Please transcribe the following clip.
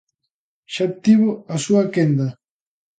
Xa tivo a súa quenda.